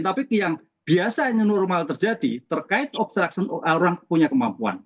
tapi yang biasanya normal terjadi terkait obstruction orang punya kemampuan